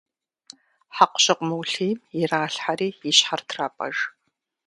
Хьэкъущыкъу мыулъийм иралъхьэри и щхьэр трапӏэж.